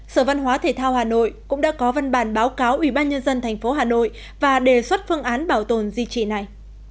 sở văn hóa thể thao hà nội cũng đã có văn bản báo cáo ủy ban nhân dân tp hà nội và đề xuất phương án bảo tồn di trị này